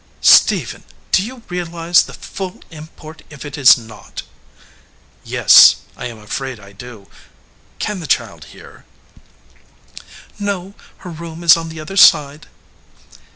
"Stephen, do you realize the full import if it is not?" "Yes, I am afraid I do. Can the child hear?" "No ; her room is on the other side."